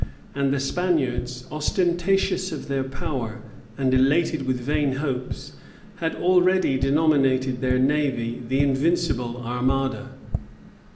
And the Spaniards, ostentatious of their power, and elated with vain hopes, had already denominated their navy the Invincible Armada.